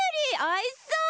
おいしそう！